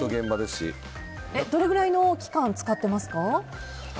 どれぐらいの期間使ってますか？